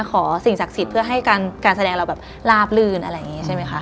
สิ่งศักดิ์สิทธิ์เพื่อให้การแสดงเราแบบลาบลื่นอะไรอย่างนี้ใช่ไหมคะ